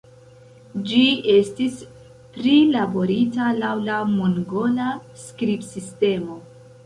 Ĝi estis prilaborita laŭ la mongola skribsistemo.